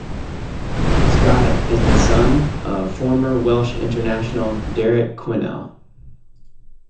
Scott is the son of former Welsh international Derek Quinnell.